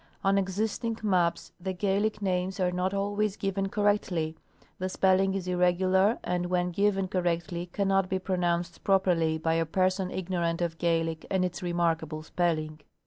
On existing maps the Gaelic names are not always given correctly ; the spelling is irregular, and when given cor rectly cannot be pronounced properly b}^ a person ignorant of Gaelic and its remarkable spelling.